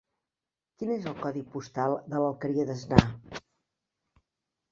Quin és el codi postal de l'Alqueria d'Asnar?